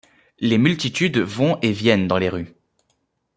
Les multitudes vont et viennent dans les rues.